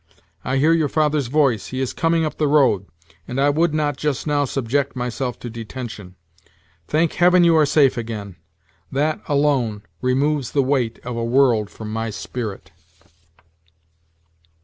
I hear your father's voice; he is coming up the road, and I would not, just now, subject myself to detention. Thank Heaven, you are safe again; that alone removes the weight of a world from my spirit!"